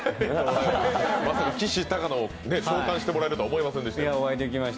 まさか、きしたかのを召喚してもらえるとは思いませんでした。